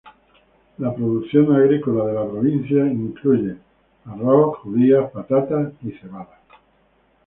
La producción agrícola de la provincia incluye arroz, judías, patatas y cebada.